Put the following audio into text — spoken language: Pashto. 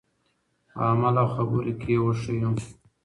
په عمل او خبرو کې یې وښیو.